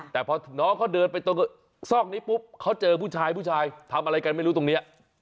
แต่พอน้องเขาเดินไปตรงซอกนี้ปุ๊บเขาเจอผู้ชายผู้ชายทำอะไรกันไม่รู้ตรงนี้